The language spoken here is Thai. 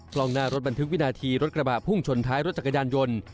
กล้องหน้ารถบันทึกวินาทีรถกระบะพุ่งชนท้ายรถจักรยานยนต์